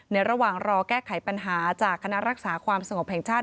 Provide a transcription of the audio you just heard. ระหว่างรอแก้ไขปัญหาจากคณะรักษาความสงบแห่งชาติ